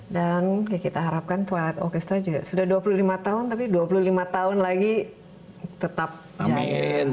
dan kita harapkan twilight orchestra juga sudah dua puluh lima tahun tapi dua puluh lima tahun lagi tetap jalan